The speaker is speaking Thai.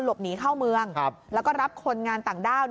หนีเข้าเมืองแล้วก็รับคนงานต่างด้าว